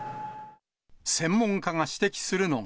専門家が指摘するのが。